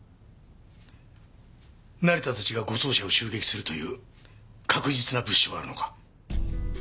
成田たちが護送車を襲撃するという確実な物証はあるのか？